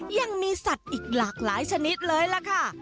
ยังมีสัตว์อีกหลากหลายชนิดเลยล่ะค่ะ